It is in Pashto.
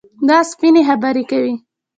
دا سپيني خبري کوي.